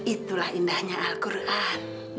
itulah indahnya al quran